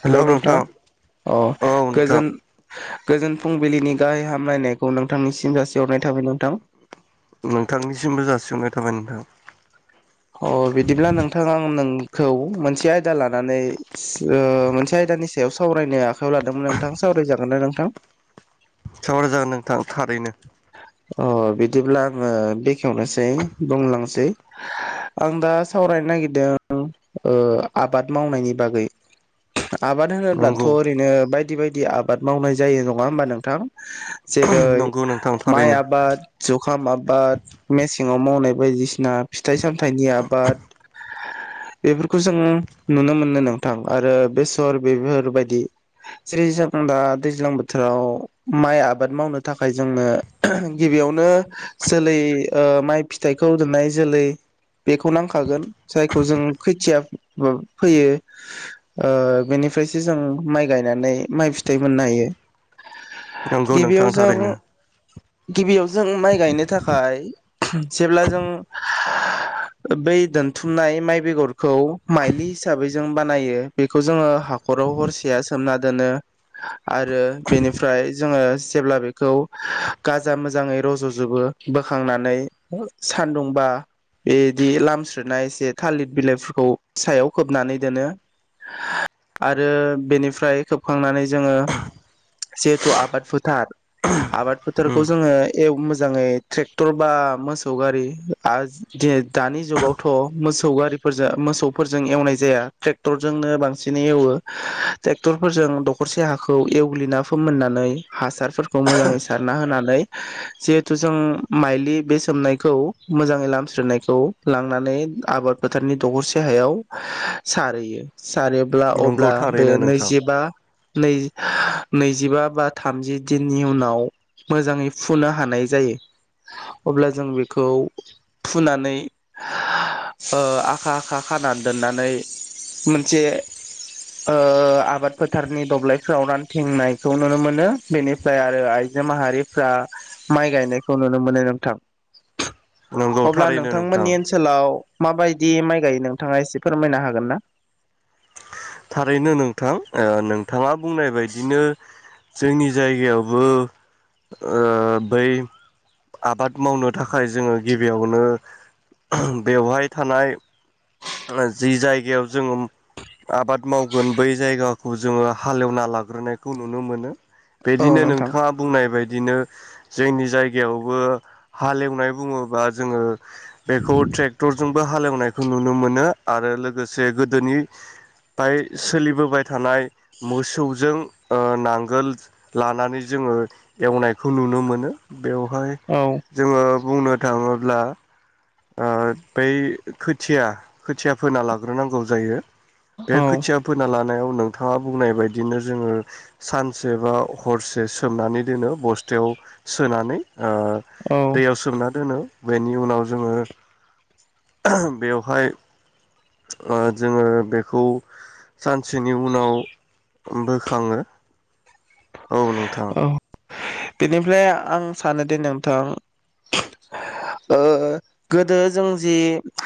हेल नोंथां अ औ नोंथां गोजोन गोजोन फुंबिलिनि गाहाय हामलायनायखौ नोंथांनिसिम जासिहरनाय थाबाय नोंथां। नोंथांनिसिमबो जासिहरनाय थाबाय नोंथां। अ बिदिब्ला नोंथां आं नों खौ मोनसे आयदा लानानै ओ मोनसे आयदानि सायाव सावरायनो आखायाव लादोंमोन नोंथां सावरायजागोना नोंथां? सावराय जागोन नोंथां थारैनो। अ बिदिब्ला आङो बेखेवनोसै बुंलांसै आं दा सावरायनो नागिरदों ओ आबाद मावनायनि बागै। आबाद होनोब्लाथ' नंगौ ओरैनो बाय बायदि बायदि आबाद मावनाय जायो नङा होमबा नोंथां? जेरै नंगौ नोंथां माइ थारैनो आबाद [unintelligible] खाम आबाद मेसेङाव मावनाय बायदिसिना फिथाइ सामथाइनि आबाद बेफोरखौ जों नुनो मोनो नोंथां आरो बेसर बेफोरबायदि जेरै जों दा दैज्लां बोथोराव माइ आबाद मावनो थाखाय थाखाय जोंनो गिबियावनो जोलै ओ माइ फिथाइखौ दोननाय जोलै बेखौ नांखागोन जायखौ जों खोथिया फैयो ओ बेनिफ्रायसो जों माइ गायनानै माइ फिथाइ मोननो हायो। नंगौ गिबियाव नोंथां जों थारैनो। गिबियाव जों माइ गायनो थाखाय जेब्ला जों बै दोनथुमनाय माइ बेगरखौ माइलि हिसाबै जों बानायो बेखौ जोङो हाखराव हरसेया सोमना दोनो। आरो बेनिफ्राय जोङो जेब्ला बे खौ गाजा मोजाङै रज'जोबो बोखांनानै सानदुंबा बिदि लामस्रिनाय एसे थालिर बिलाइफोरखौ सायाव खोबनानै दोनो। आरो बेनिफ्राय खोबखांनानै जोङो जिहेथु आबाद फोथार आबाद उम फोथारखौ जोङो एव मोजाङै ट्रेक्टर बा मोसौ गारि आरो दि दानि जुगावथ' मोसौ गारिफोरजों मोसौफोरजों एवनाय जाया ट्रेक्टरजोंनो बांसिनै एवो। ट्रेक्टरफोरजों दखरसे हाखौ एवग्लिना फोमोननानै हासारफोर खौ मोजाङै सारना होनानै जिहेथु जों माइलि बे सोमनायखौ मोजाङै लामस्रिनायखौ लांनानै आबाद फोथारनि दखरसे हायाव सारहैयो। सारोब्ला नंगौ अब्ला बे थारैनो नोंथां नैजिबा नै नैजिबा बा थामजि दिननि उनाव मोजाङै फुनो हानाय जायो। अब्ला जों बेखौ फुनानै ओ आखा आखा खानानै दोननानै मोनसे ओ आबाद फोथारनि दब्लायफ्राव रानथिंनायखौ नुनो मोनो। बेनिफ्राय आरो आइजो माहारिफ्रा माइ गायनायखौ नुनो मोनो नोंथां। नंगौ अब्ला थारैनो नोंथां नोंथांमोननि ओनसोलाव माबायदि माइ गायो नोंथाङा एसे फोरमायनो हागोन ना? थारैनो नोंथां। ओ नोंथाङा बुंनाय बायदिनो जोंनि जायगायावबो ओ बै आबाद मावनो थाखाय जोङो गिबियावनो बेवहाय थानाय जि जायगायाव जोङो आबाद मावगोन बै जायगाखौ जोङो हालेवना लाग्रोनायखौ नुनो मोनो। औ बिदिनो नोंथां नोंथाङा बुंनाय बाय। दिनो जोंनि जायगायावबो हालेवनाय बुङोबा जोङो। बेखौ ट्रेक्टरजों बो हालेवनायखौ नु। नो मोनो आरो लोगोसे गोदोनि-फाय सोलिबोबाय थानाय मोसौजों ओ नांगोल लानानै जोङो एवनायखौ नुनो मोनो। बेवहाय औ जोङो। बुंनो थाङोब्ला ओ बै खो थिया खोथिया फोना लाग्रोनांगौ जायो। औ बे खोथिया फोना लानायाव। नोंथाङा बुंनाय बायदिनो जोङो सानसे बा हरसे सोमनानै दोनो बस्थायाव सोनानै। ओ औ दैयाव सोमना दोनो। बेनि उनाव जोङो। बेवहाय ओ जोङो बेखौ सानसेनि उनाव बोखाङो। औ नोंथां‌। औ बेनिफ्राय आं सानोदिे नोंथां ओ गोदो जों जि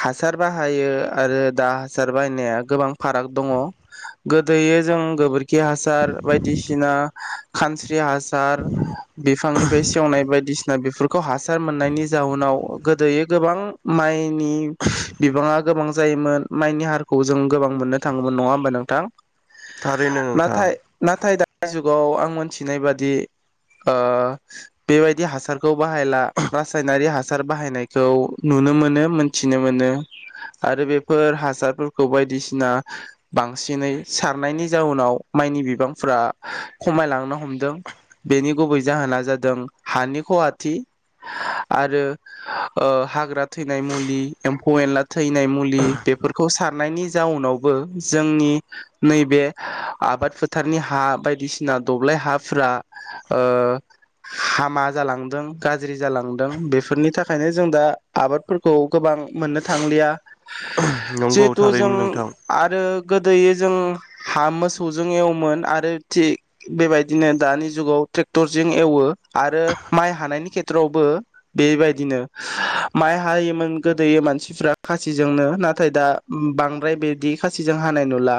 हासार बाहायो आरो दा हासार बाहायनाया गोबां फाराग दङ। गोदो जों गोबोर। खि हासार बायदिसिना खानस हासार बिफांनिफ्राय सेवनाय बायदिसि। ना बेफोरखौ हास। मोननायनि जाउनाव। गोदोयो गोबां माइ नि बिबाङा गोबां जायोमोन माइनि हारखौ जों गोबां मोननो थाङोमोन नङा होमबा नोंथा। थारैनो नोंथां‌ जु गआव आं मोनथिनाय बादि ओ बेबायदि हासारखौ। बाहायला रासायनारि हास। हासार बाहायनायखौ नुनो मोनो मोनथिनो मोनो आरो बेफोर हासारफोरखौ बायदिसिना बांसिनै सारनायनि जाउनाव माइनि बिबांफोरा । खमायलांनो हमदों बेनि गुबै जाहोना जादों हानि खहाथि आरो ओ- हाग्रा थैनाय मुलि एम्फौ एनला। थैनाय मुलि बेफोरखौ साथ। नायनि जाउनावबो जोंनि नैबे आबाद फोथारनि हा बाय । दिसिना दब्लाय हाफोरा ओ- हामा जालांदों गाज्रि जालांदों बेफोरनि थाखायनो जों दा आबादफोरखौ गोबां मोननो थांलिया। नंगौ जिहेथु थारैनो जों नोंथां आरो गोदोयै जों हा मोसौजों एवोमोन आरो। थिग बेबायदिनो दानि जुगाव ट्रेक्टरजों एवो । आरो माइ हानायनि खे त्ररावबो बेबायदिनो माइ हायोमोन गोदो मानसिफ्रा खासिजोंनो नाथाय दा बांद्राय बिदि खासिजों हानाय नुला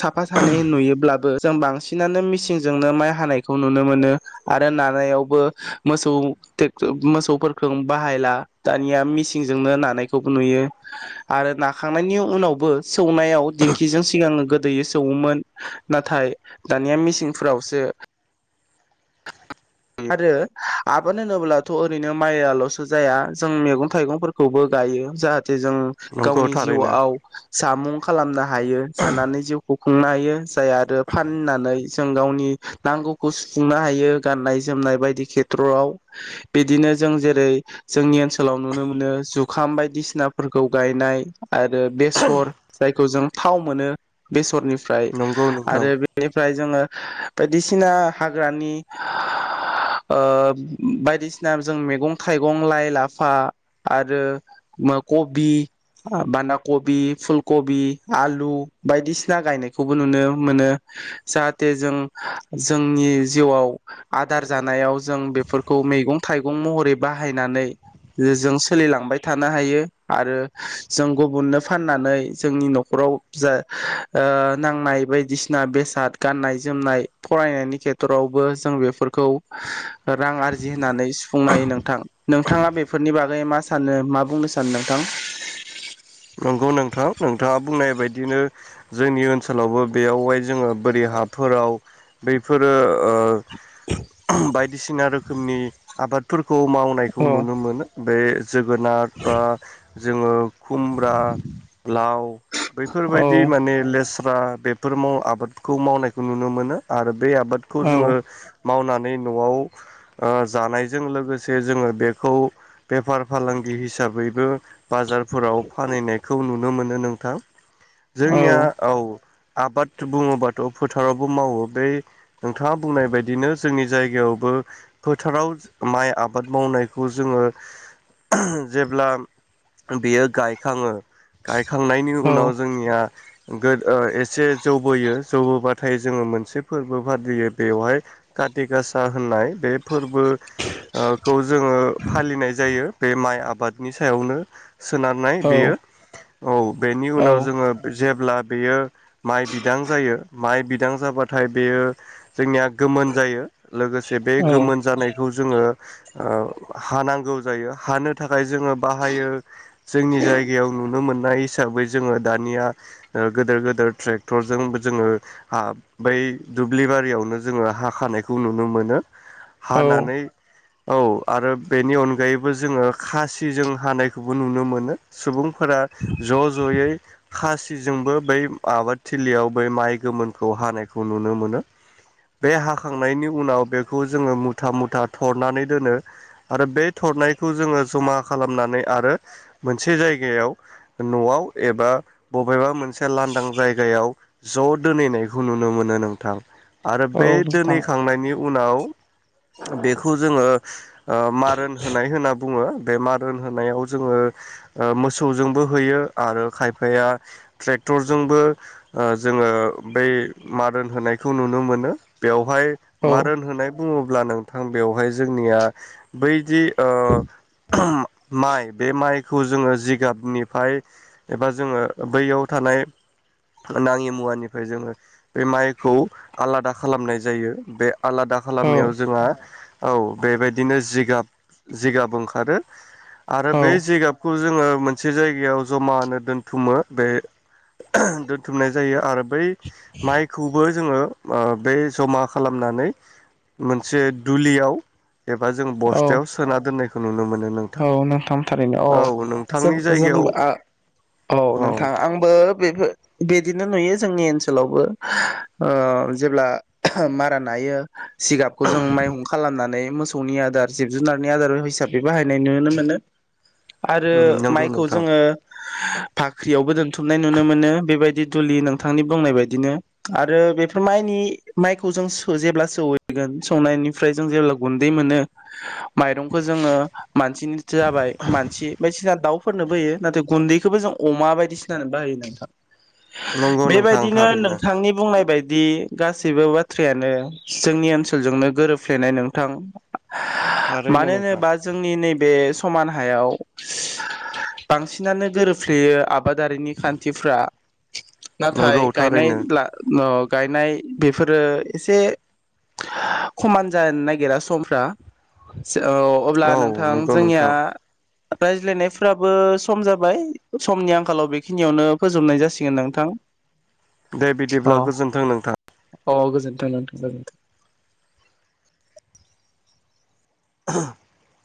साफा सानै नुयोब्लाबो जों बांसिन बिसिनानो मेसिनजोंनो माइ हानायखौ नुनो मोनो आरो नानायावबो मोसौ टेकट मोसौफोरखौ बाहायला दानिया मेसिंजोंनो नानायखौबो नुयो आरो नाखांनायनि उनावबो सौनायाव दिंखिजों सिगांयो गोदोयो सौवोमोन नाथाय दानिया मिसिंफोरावसो आरो आबाद होनोब्लाथ' ओरैनो माइयालसो जाया जों मैगं थाइगंफोरखौबो गायो जाहाथे जों नंगौ गावनि थारैनो जिउआव जामुं खालामना । हायो जानानै जिउ खुंनो हायो । जाय आरो फाननानै जों गावनि नांगौखौ सुफुंनो हायो गाननाय जोमनाय बायदि खेथ्रआव बिदिनो जों जेरै जोंनि ओनसोलाव नुनो मोनो जुखाम बायदिसिनाफोरखौ गायनाय आरो बेसर जायखौ जों थाव मोनो बेसरनि फ्राय नंगौ नोंथां आरो बेनिफ्राय जोङो बायदिसिना हाग्रानि ओ बायदिसिना जों मैगं-थाइगं, लाइ-लाफा आरो कबि, बान्दा कबि, फुल कबि आलु बायदिसिना गायनायखौबो नुनो मोनो जाहाथे जों जोंनि जिउआव आथ आदार जानायाव जों बेफोरखौ मैगं-थाइगं महरै बाहायनानै जों सोलिलांबाय थानो हायो आरो जों गुबुननो फाननानै जोंनि नखराव जा ओ नांनाय बायदिसिना बेसाद गाननाय जोमनाय फरायनायनि खेथ्रावबो जों बेफोरखौ खौ रां आरजि होनानै सुफुंनो हायो नोंथां नोंथाङा बेफोरनि बागै मा सानो मा बुंनो सानो नोंथां? नंगौ नोंथां नोंथाङा बुंनाय बायदिनो जोंनि ओनसोलावबो बेयाव बाय जोङो बोरि हाफोराव बैफोरो ओ [unintelligible] बायदिसिना रोखोमनि आबादफोर खौ मावनायखौ औ नुनो मोनो बे जोगोनार बा जोङो खुमब्रा लाव बैफोरबायदि नोंथां माने लेस रा बेफोर आबादखौ मावनायखौ नुनो मोनो आरो बे आबादखौ जोङो औ मावनानै न'आव ओ जानायजों लोगोसे जोङो बेखौ बेफार फालांगि हिसाबैबो बाजारफोराव फानहैनाय खौ नुनो मोनो नोंथां। जोंनिया औ । आबाद बुङोबाथ' फोथारावबो मावो बे नोंथाङा बुंनाय बायदिनो जोंनि जायगायावबो फोथाराव माइ आबाद मावनायखौ जोङो जेब्ला बेयो गायखाङो गायखांनायनि उनाव जोंनिया दो एसे जौबोयो जौबोबाथाय जोङो मोनसे फोरबो फालियो बेवहाय काति गासा होननाय बे फोरबोखौ जोङो फालिनाय जायो। बे माइ आबादनि सायावनो सोनारनाय बेयो औ बेनि उनाव जोङो जेब्ला बेयो माइ बिदां जायो माइ बिदां जाबाथाय बेयो जोंनिया गोमोन जायो। लोगोसे बे गोमोन जानायखौ जोङो ओ हानांगौ जायो हानो थाखाय जोङो बाहायो जोंनि जायगायाव गायाव नुनो मोननाय हिसाबै जोङो दानिया गोदोर गोेदो र ट्रेक्टरजों जोङो हा बै दुब्लि बारियावनो जोङो हाखानायखौ नुनो मोनो। हानानै औ आरो बेनि अनगायैबो जोङो खासिजों हानायखौबो नुनो मोनो। सुबुं फोरा ज' ज'यै खासिजोंबो बै आबादथिलियाव बै माइ गोमोनखौ हानायखौ नुनो मोनो । बे हाखांनायनि उनाव बेखौ जोङो मुथा मुथा थरनानै दोनो आरो बे थरनायखौ जोङो जमा खालामनानै आरो मो नसे जायगायाव न'आव एबा बबेबा मोनसे लांदां जायगायाव ज' दोनैनायखौ नुनो मोनो नोंथां। आरो बे दोनहै खांनायनि उनाव बेखौ जोङो [inaudible] ओ मारोन होनाय होनना बुंङो । बे मारोन होनायाव जोंङो ओ मोसौजोंबो होयो आरो खायफाया ट्रेक्टरजोंबो ओ जोंङो ओ बै मारोन होनायखौ नुनो मोनो । बेयाव उमफाय मारोन होनाय बुंङो ब्ला नोंथां बेवहाय जोंनिया बैदि ओ माइ बे माइ खौ जोंङो जिगाबनिफ्राय एबा जोंङो बैयाव थानाय नांङि मुवानिफ्राय जोंङो बे माइखौ आलादा खालामनाय जायो । बे आलादा औ खालामनायाव जोंहा औ बेबायदिनो जिगाब-जिगाब ओंखारो आरो बे औ जिगाब खौ जोंङो मोनसे जायगायाव जमानो दोनथुमो बे दोनथुमनाय जायो । आरो बै माइखौबो जोंङो ओ बै जमा खालामनानै मोनसे दुलियाव एबा जों औ बस्थायाव सोना दोननाय खौ नुनो मोन औ नोंथां थारैनो औ जों नोंथांनि जायगायाव जोंबो आ औ नोंथां आंबो बेफोर बिदिनो नुयो जोंनि ओनसोलावबो ओ जेब्ला मारा नायो सिगाबखौ जों माइहुं खालामनानै मोसौनि आदार जिब जुनारनि आदार हिसाबै बाहाय नाय नुनो मोनो आरो नंगौ माइखौ नोंथां जोंङो फाख्रियावबो दोनथुमनाय नुनो मोनो बेबायदि दुलि नोंथांनि बुंनाय बायदिनो आरो बेफोर माइनि माइखौ जों जेब्ला सहैगोन सौनायनिफ्राय जों जेब्ला गुन्दै मोनो माइरंखौ जोंङो मानसिनिथो जाबाय मानसि बायदिसिना दाउ फोरनो बोयो नाथाय गुन्दैखौबो जों अमा बायदिसिानो बाहायो नोंथां नंगौ नोंथां बेबायदिनो थारैनो नोंथांनि बुंनाय बाय बि गासैबो बाथ्रायानो जोंनि ओनसोलजोंनो गोरोबफ्लेनाय नोंथां थारैनो मानो नोंथां होनोबा जोंनि नैबे समान हायाव बांसिनानो गोरोबफ्लेयो आबादारिनि खान्थिफ्रा नंगौ नाथाय गायनाय थारैनो ब्ला अ गायनाय बेफोरो एसे खमान जानो नागिरा समफ्रा औ अब्ला औ नों थां नंगौ जोंनिया नोंथां रायज्लायनायफ्राबो सम जाबाय समनि आंखालाव बेखिनियावनो फोजोबनाय जासिगोन नोंथां दे बिदिब्ला गोजोन्थों नोंथां औ गोजोन्थों नोंथां गोजोनथों [inaudible]